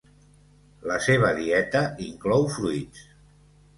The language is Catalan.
La seva dieta inclou fruits.